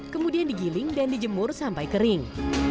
kemudian digiling dan dijemur sampai kering